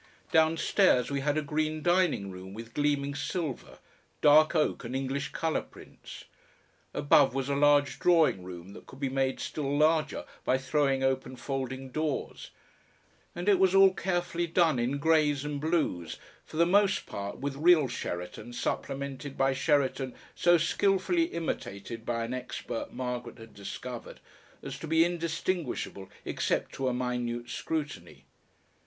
Downstairs we had a green dining room with gleaming silver, dark oak, and English colour prints; above was a large drawing room that could be made still larger by throwing open folding doors, and it was all carefully done in greys and blues, for the most part with real Sheraton supplemented by Sheraton so skilfully imitated by an expert Margaret had discovered as to be indistinguishable except to a minute scrutiny.